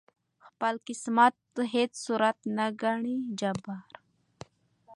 خپل قسمت په هیڅ صورت نه ګڼي جبر